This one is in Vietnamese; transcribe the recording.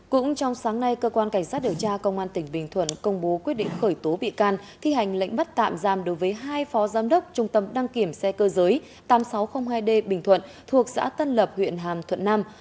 cũng trong sáng nay cơ quan cảnh sát điều tra công an tỉnh bình thuận công bố quyết định khởi tố bị can thi hành lệnh bắt tạm giam đối với hai phó giám đốc trung tâm đăng kiểm xe cơ giới tám nghìn sáu trăm linh hai d bình thuận thuộc xã tân lập huyện hàm thuận nam